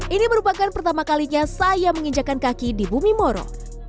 ini merupakan pertama kalinya saya menginjakan kaki di bumi moro